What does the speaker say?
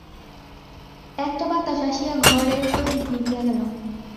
একটা বাতাস আসিয়া ঘরের প্রদীপ নিভিয়া গেল।